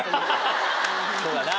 そうだな